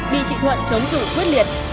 bị chị thuận chống cử quyết liệt